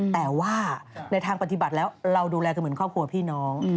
แต่ว่าในทางปฏิบัติแล้วเราดูแลกันเหมือนครอบครัวพี่น้อง